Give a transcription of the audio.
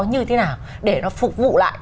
như thế nào để nó phục vụ lại